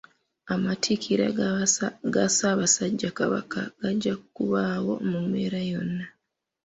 Amatikkira ga Ssaabasajja Kabaka gajja okubaawo mu mbeera yonna.